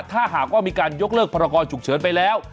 ถ้าหากว่ามีการยกเลิกพรกรฉุกเฉินไปแล้ว